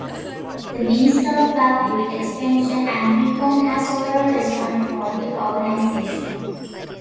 The Minister for Public Expenditure and Reform has overall responsibility for the organisation.